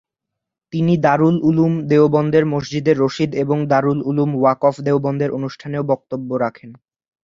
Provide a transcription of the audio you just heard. তিনি দারুল উলুম দেওবন্দের মসজিদে রশিদ এবং দারুল উলুম ওয়াকফ দেওবন্দের অনুষ্ঠানেও বক্তব্য রাখেন।